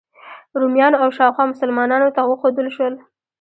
رومیانو او شاوخوا مسلمانانو ته وښودل شول.